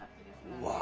うわ！